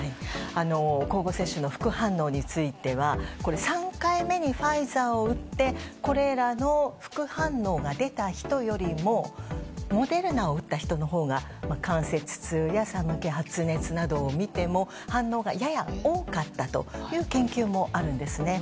交互接種の副反応については３回目にファイザーを打ってこれらの副反応が出た人よりもモデルナを打った人のほうが関節痛や寒気、発熱などを見ても反応がやや多かったという研究もあるんですね。